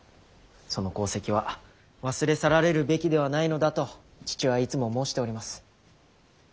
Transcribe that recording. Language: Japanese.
その功績は忘れ去られるべきではないのだと父はいつも申しております。